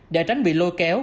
để tránh bị lùa kéo